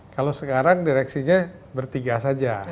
kalau sekarang direksinya bertiga saja